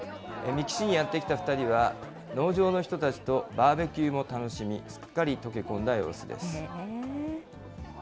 三木市にやって来た２人は、農場の人たちとバーベキューも楽しみ、すっかり溶け込んだ様子です。